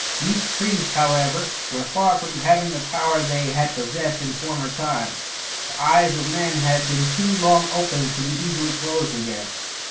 These priests, however, were far from having the power they had possessed in former times. The eyes of men had been too long opened to be easily closed again.